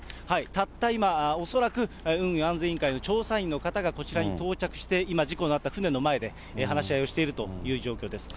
たった今、恐らく運輸安全委員会の調査員の方がこちらに到着して、今、事故のあった船の前で話し合いをしているという状況です。